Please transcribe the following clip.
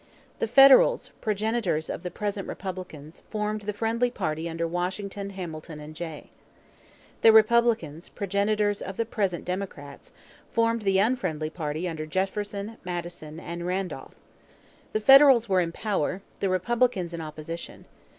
The Federals, progenitors of the present Republicans, formed the friendly party under Washington, Hamilton, and Jay. The Republicans, progenitors of the present Democrats, formed the unfriendly party under Jefferson, Madison, and Randolph. The Federals were in power, the Republicans in opposition.